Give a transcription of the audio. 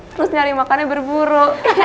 terus nyari makannya berburu